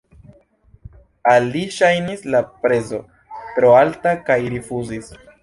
Al li ŝajnis la prezo tro alta kaj rifuzis.